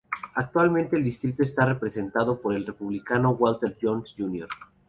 Actualmente el distrito está representado por el Republicano Walter Jones Jr..